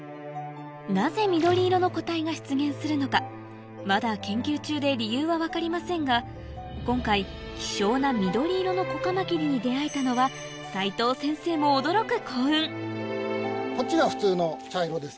なぜ緑色の個体が出現するのかまだ研究中で理由は分かりませんが今回希少な緑色のコカマキリに出合えたのは斉藤先生も驚くこっちが普通の茶色です。